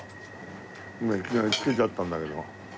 今いきなり付けちゃったんだけど。